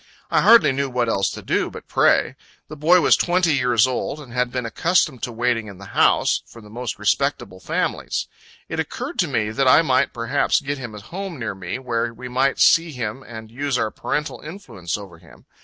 I hardly knew what else to do, but pray. The boy was twenty years old, and had been accustomed to waiting in the house, for the most respectable families. It occurred to me, that I might perhaps get him a home near me, where we might see him and use our parental influence over him.